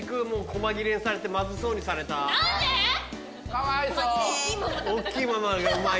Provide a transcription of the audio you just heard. かわいそう。